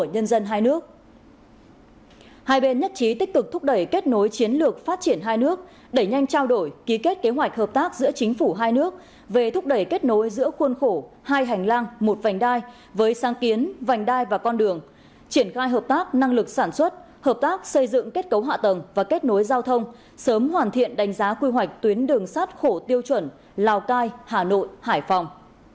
hai bên nhất trí tích cực thúc đẩy kết nối chiến lược phát triển hai nước đẩy nhanh trao đổi ký kết kế hoạch hợp tác giữa chính phủ hai nước về thúc đẩy kết nối giữa khuôn khổ hai hành lang một vành đai với sang kiến vành đai và con đường triển khai hợp tác năng lực sản xuất hợp tác xây dựng kết cấu hạ tầng và kết nối giao thông sớm hoàn thiện đánh giá quy hoạch tuyến đường sát khổ tiêu chuẩn lào cai hà nội hải phòng